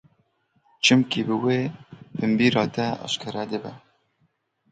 Çimkî bi wê binbîra te eşkere dibe.